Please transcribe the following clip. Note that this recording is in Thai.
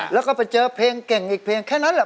แล้วก็ไปเจอเพลงเก่งอีกเพลงแค่นั้นแหละ